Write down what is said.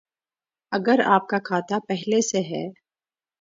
اگر آپ کا کھاتہ پہلے سے ہے